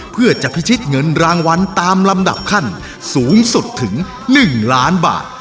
เพื่อจะพิชิตเงินรางวัลตามลำดับขั้นสูงสุดถึง๑ล้านบาท